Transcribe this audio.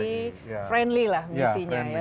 diplomasi friendly lah visinya ya